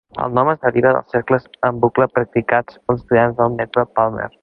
El nom es deriva dels cercles en bucle practicats pels estudiants del mètode Palmer.